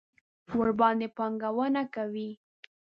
ورباندې پانګونه کوي.